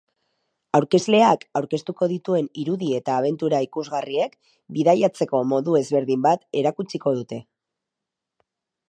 Aurkezleak aurkeztuko dituen irudi eta abentura ikusgarriek bidaiatzeko modu ezberdin bat erakutsiko dute.